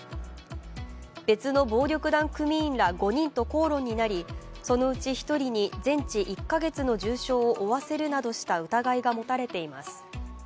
別の暴力団組員ら５人と口論になり、そのうち１人に全治１か月の重傷を負わせるなどした疑いが持たれています。